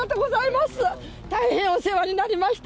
大変お世話になりました。